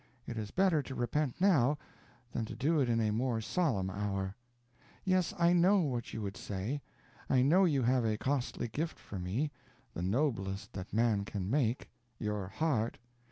It is better to repent now, than to do it in a more solemn hour. Yes, I know what you would say. I know you have a costly gift for me the noblest that man can make _your heart!